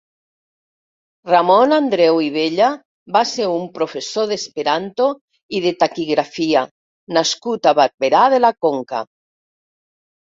Ramon Andreu i Bella va ser un professor d'Esperanto i de Taquigrafia nascut a Barberà de la Conca.